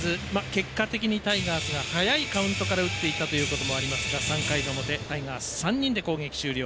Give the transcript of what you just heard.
結果的にタイガースが早いカウントから打っていたことがありますが３回の表、タイガース３人で攻撃終了。